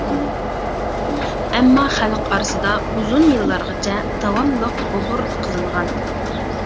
ئەمما خەلق ئارىسىدا ئۇزۇن يىللارغىچە داۋاملىق ئوبوروت قىلىنغان.